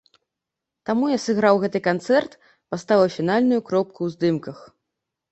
Таму я сыграў гэты канцэрт, паставіў фінальную кропку ў здымках.